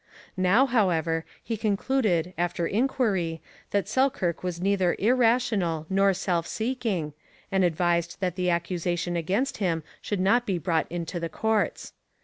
Now, however, he concluded after inquiry that Selkirk was neither irrational nor self seeking, and advised that the accusations against him should not be brought into the courts.